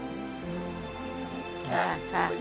พี่ยูน